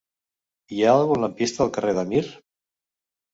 Hi ha algun lampista al carrer de Mir?